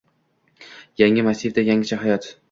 Yangi massivda yangicha hayot